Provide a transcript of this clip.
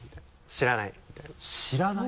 知らない？